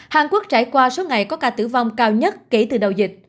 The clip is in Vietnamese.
hàn quốc trải qua số ngày có ca tử vong cao nhất kể từ đầu dịch